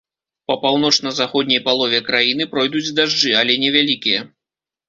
Па паўночна-заходняй палове краіны пройдуць дажджы, але невялікія.